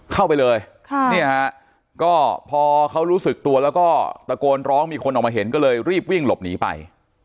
เข้าไปเลยก็พอเขารู้สึกตัวแล้วก็ตะโกนร้องมีคนออกมาเห็นก็เลยรีบวิ่งหลบหนีไป